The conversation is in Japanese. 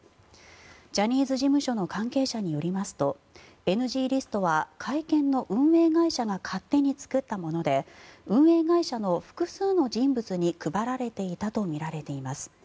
ジャニーズ事務所の関係者によりますとＮＧリストは会見の運営会社が勝手に作ったもので運営会社の複数の人物に配られていたとみられています。